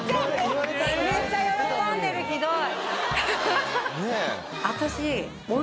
めっちゃ喜んでるひどい。